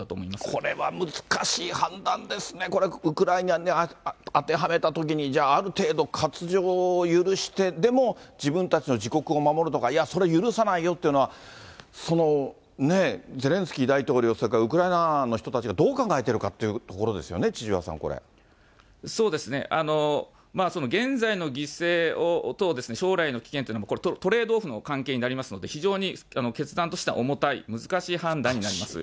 これは難しい判断ですね、これ、ウクライナに当てはめたときに、じゃあ、ある程度、割譲を許してでも、自分たちの自国を守るとか、いや、それ、許さないよっていうのは、そのね、ゼレンスキー大統領、それからウクライナ側の人たちがどう考えてるかっていうところでそうですね、現在の犠牲と、将来の危険というのは、これ、トレードオフの関係になりますので、非常に決断としては重たい、難しい判断になります。